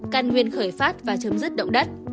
tám căn nguyên khởi phát và chấm dứt động đất